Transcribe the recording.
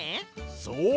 そう。